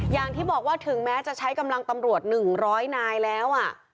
อย่างที่บอกว่าถึงแม้จะใช้กำลังตำรวจ๑๐๐นายแล้ว